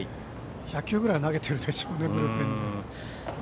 １００球ぐらいは投げてるでしょうねブルペンで。